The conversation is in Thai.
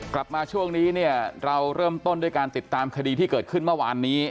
กลับมาช่วงนี้เราเริ่มต้นติดตามคดีที่เกิดขึ้นเมื่อวานนี้